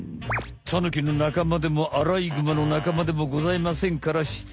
タヌキのなかまでもアライグマのなかまでもございませんからして。